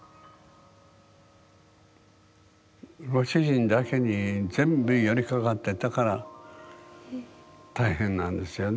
ご主人だけに全部寄りかかってたから大変なんですよね